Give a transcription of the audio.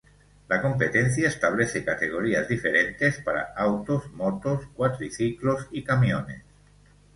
La competencia establece categorías diferentes para autos, motos, cuatriciclos y camiones.